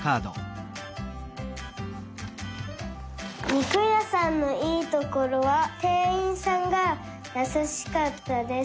にくやさんのいいところはてんいんさんがやさしかったです。